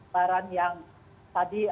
barang yang tadi